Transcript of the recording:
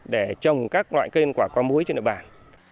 để trồng các loại cây quả có muối trên nội bản